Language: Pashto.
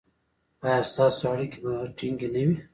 ایا ستاسو اړیکې به ټینګې نه وي؟